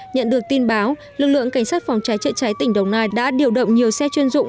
nhận được tin báo lực lượng cảnh sát phòng cháy chữa cháy tỉnh đồng nai đã điều động nhiều xe chuyên dụng